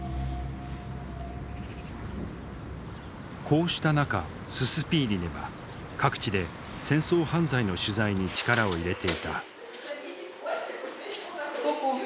こうした中ススピーリネは各地で戦争犯罪の取材に力を入れていた。